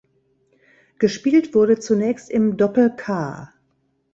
Gespielt wurde zunächst im Doppel-K.